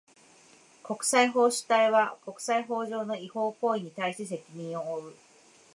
国際法主体は、国際法上の違法行為に対して責任を負う。